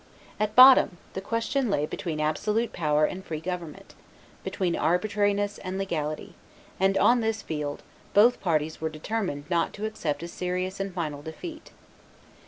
At bottom, the question lay between absolute power and free government, between arbitrariness and legality; and, on this field, both parties were determined not to accept a serious and final defeat.